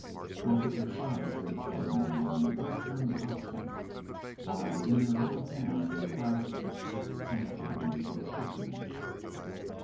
Close at their sides their children ran, and urged on the oxen, While in their little hands they clasped some fragments of playthings.